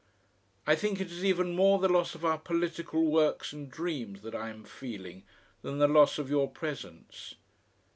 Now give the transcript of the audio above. I think it is even more the loss of our political work and dreams that I am feeling than the loss of your presence.